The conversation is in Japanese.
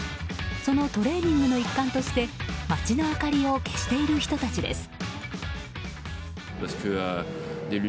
そのトレーニングの一環として街の明かりを消している人たちです。